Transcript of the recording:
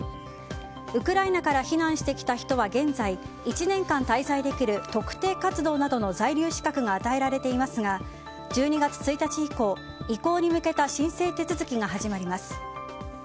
ウクライナから避難してきた人は現在１年間滞在できる特定活動などの在留資格が与えられていますが１２月１日以降、移行に向けた申請手続きが始まります。